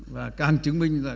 và càng chứng minh ra